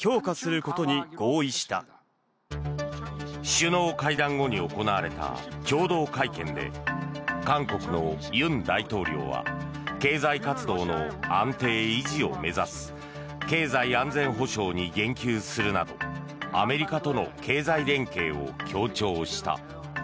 首脳会談後に行われた共同会見で韓国の尹大統領は経済活動の安定・維持を目指す経済安全保障に言及するなどアメリカとの経済連携を強調した。